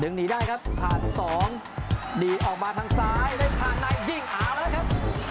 ดึงหนีได้ครับผ่าน๒ดีออกมาทางซ้ายได้ผ่านทางในยิงอาวัลอะครับ